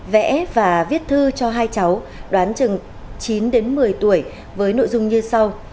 vẽ và viết thư cho hai cháu đoán chừng chín đến một mươi tuổi với nội dung như sau